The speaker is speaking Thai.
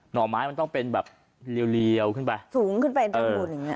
่อไม้มันต้องเป็นแบบเรียวขึ้นไปสูงขึ้นไปด้านบนอย่างเง